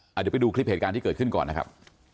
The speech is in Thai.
เดี๋ยวไปดูคลิปเหตุการณ์ที่เกิดขึ้นก่อนนะครับ